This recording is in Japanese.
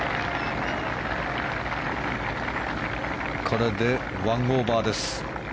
これで１オーバーです。